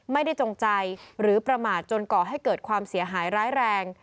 จงใจหรือประมาทจนก่อให้เกิดความเสียหายร้ายแรง